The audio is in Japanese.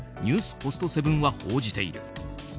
ポストセブンは報じている。